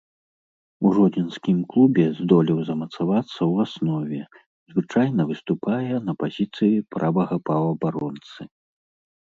У жодзінскім клубе здолеў замацавацца ў аснове, звычайна выступае на пазіцыі правага паўабаронцы.